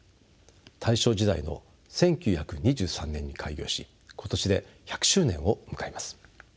大正時代の１９２３年に開業し今年で１００周年を迎えます。